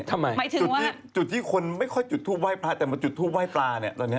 ทำไมหมายถึงว่าจุดที่คนไม่ค่อยจุดทูปไหว้ปลาแต่มาจุดทูปไหว้ปลาเนี่ย